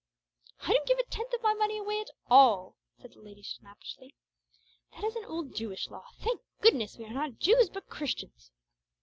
"I don't give a tenth of my money away at all," said the lady snappishly. "That is an old Jewish law. Thank goodness, we are not Jews, but Christians."